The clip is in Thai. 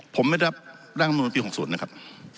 ผมไม่รับร่างมนุนปี๖๐นะครับ